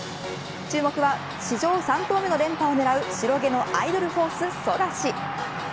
注目は史上３頭目の連覇を狙う白毛のアイドルホース、ソダシ。